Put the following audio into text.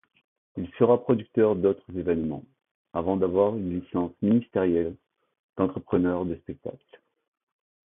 Il sera producteur d'autres évènements, avant d'avoir une licence ministérielle d'entrepreneur de spectacles.